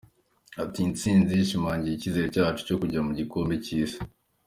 Ati “Iyi ntsinzi ishimangiye icyizere cyacu cyo kujya mu gikombe cy’Isi.